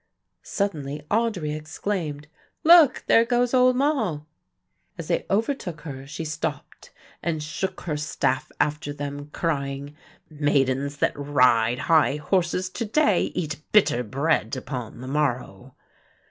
Suddenly Audry exclaimed, "Look there goes old Moll." As they overtook her she stopped and shook her staff after them, crying, "Maidens that ride high horses to day eat bitter bread upon the morrow."